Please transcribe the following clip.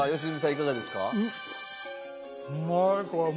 いかがですか？